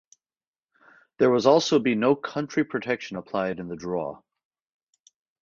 There was also be no country protection applied in the draw.